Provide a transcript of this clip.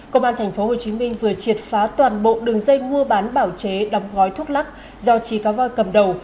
công an tp hcm vừa triệt phá toàn bộ đường dây mua bán bảo chế đóng gói thuốc lắc do trí cá voi cầm đầu